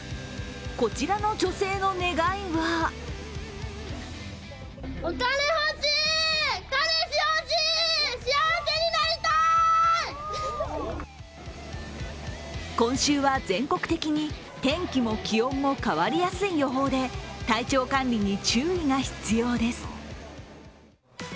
こちらの女性の願いは今週は全国的に天気も気温も変わりやすい予報で、体調管理に注意が必要です。